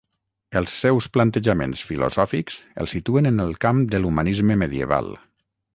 Els seus plantejaments filosòfics el situen en el camp de l'humanisme medieval.